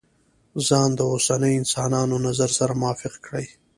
ځان د اوسنيو انسانانو نظر سره موافق کړي.